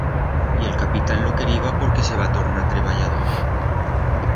Y el capitán lo queriba porque se va tornar treballador.